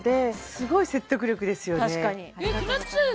すごい説得力ですよね